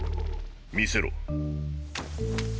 見せろ。